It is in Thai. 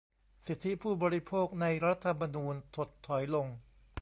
สิทธิผู้บริโภค ใน รัฐธรรมนูญ ถดถอยลง